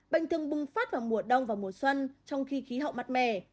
bệnh thường bùng phát vào mùa đông và mùa xuân trong khi khí hậu mát mẻ